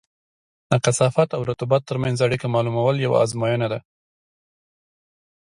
د کثافت او رطوبت ترمنځ اړیکه معلومول یوه ازموینه ده